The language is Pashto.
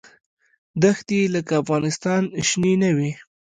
دښتې یې لکه افغانستان شنې نه وې.